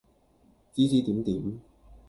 指指點點